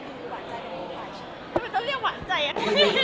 ทำไมต้องเรียกหวานใจอ่ะ